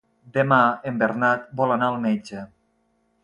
Demà en Bernat vol anar al metge.